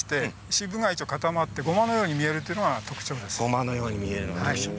種子が固まって、ごまのように見えるというのが特徴です。